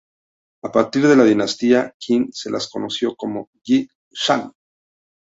A partir de la dinastía Qin se las conoció como "Yi Shan".